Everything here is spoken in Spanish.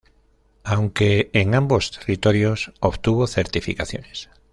Aunque, en ambos territorios obtuvo certificaciones.